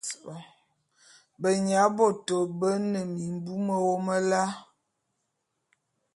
Benyabôtô bé ne mimbu mewôm lal.